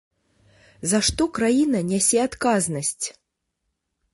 За што краіна нясе адказнасць?